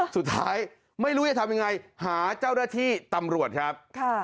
สุดท้ายไม่รู้จะทำยังไงหาเจ้าหน้าที่ตำรวจครับ